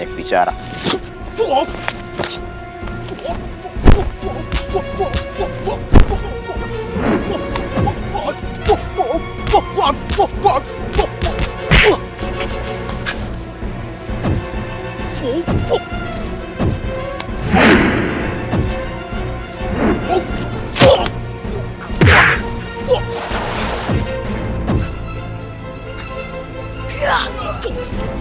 apa raden paham